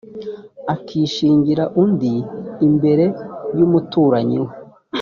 akishingira undi imbere y umuturanyi we